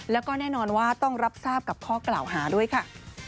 แล้วก็แน่นอนว่าต้องรับทราบกับข้อกล่าวหาด้วยค่ะ